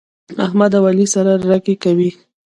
احمد او علي سره رګی کوي.